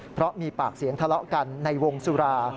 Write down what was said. เพราะมีปากเสียงทะเลาะกันในวงสุรา